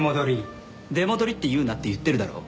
「出戻り」って言うなって言ってるだろ。